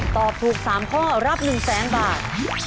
ตอบถูก๓ข้อรับ๑๐๐๐๐๐บาท